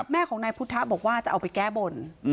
แม่ของนายพุทธะบอกว่าจะเอาไปแก้บน